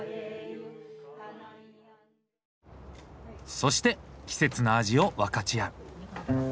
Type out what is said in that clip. そして季節の味を分かち合う。